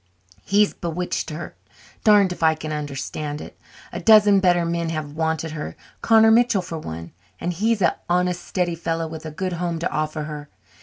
He's bewitched her darned if I can understand it. A dozen better men have wanted her Connor Mitchell for one. And he's a honest, steady fellow with a good home to offer her.